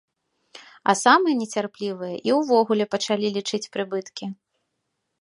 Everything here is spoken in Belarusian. А самыя нецярплівыя і ўвогуле пачалі лічыць прыбыткі.